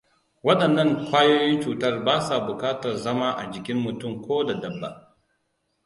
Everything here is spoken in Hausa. Wadannan kwayoyin cutar basa bukatar zama a jikin mutum ko dabba.